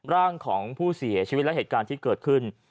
ร่างของผู้เสียชีวิตและเหตุการณ์ที่เกิดขึ้น